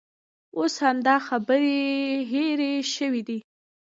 اوس همدا خبرې هېرې شوې دي.